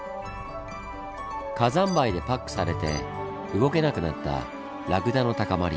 火山灰でパックされて動けなくなったラクダの高まり。